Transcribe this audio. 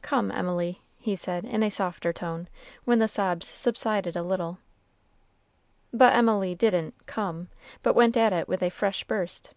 "Come, Emily," he said, in a softer tone, when the sobs subsided a little. But Emily didn't "come," but went at it with a fresh burst.